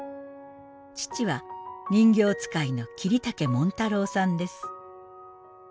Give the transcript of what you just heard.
父は人形遣いの桐竹紋太郎さんです。